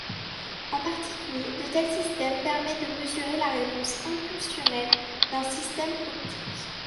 En particulier, de tels systèmes permettent de mesurer la réponse impulsionnelle d'un système optique.